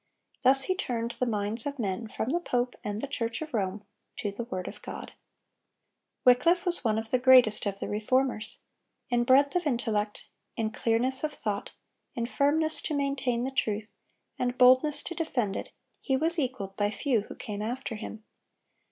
Thus he turned the minds of men from the pope and the Church of Rome to the word of God. Wycliffe was one of the greatest of the Reformers. In breadth of intellect, in clearness of thought, in firmness to maintain the truth, and boldness to defend it, he was equaled by few who came after him.